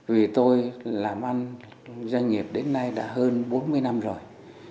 vì tôi làm ăn doanh nghiệp đến nay đã hơn bốn mươi năm rồi